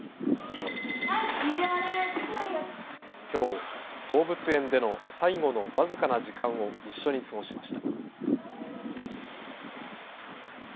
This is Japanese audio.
きょう動物園での最後の僅かな時間を一緒に過ごしました。